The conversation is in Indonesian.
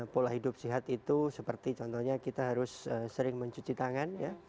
pola hidup sehat itu seperti contohnya kita harus sering mencuci tangan ya